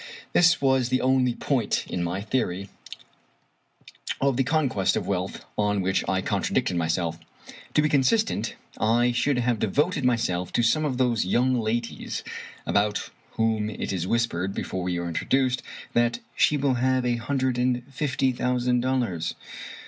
This was the only point in my theory of the conquest of wealth on which I contradicted myself. To be consistent, I should have devoted myself to some of those young ladies, about whom it is whispered, before you are introduced, that " she will have a hundred and fifty thousand dollars."